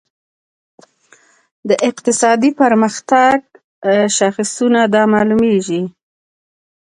د اقتصادي پرمختګ شاخصونه دا معلوموي.